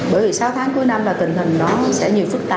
bởi vì sáu tháng cuối năm là tình hình nó sẽ nhiều phức tạp